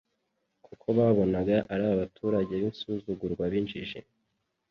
kuko babonaga ari abaturage b'insuzugurwa b'injiji,